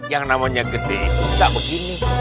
yang namanya gede bisa begini